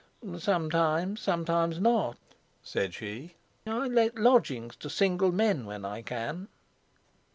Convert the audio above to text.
"Sometimes; sometimes not," said she. "I let lodgings to single men when I can."